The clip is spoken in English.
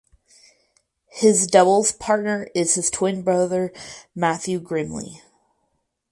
His doubles partner is his twin brother Matthew Grimley.